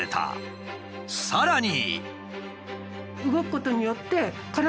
さらに。